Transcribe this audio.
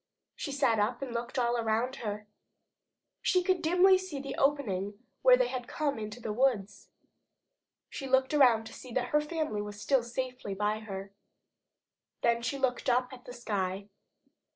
She sat up and looked all around her. She could see dimly the opening where they had come into the woods. She looked around to see that her family was still safely by her. Then she looked up at the sky.